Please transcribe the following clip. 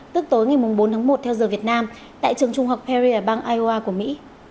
tức tối ngày bốn tháng một theo giờ việt nam tại trường trung học perry ở bang iowa của mỹ